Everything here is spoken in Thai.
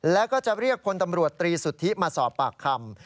แล้วก็จะเรียกพลตำรวจตรีสุทธิมาสอบปากคำ